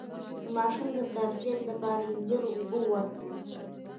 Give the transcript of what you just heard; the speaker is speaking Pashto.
د ماشوم د قبضیت لپاره د انځر اوبه ورکړئ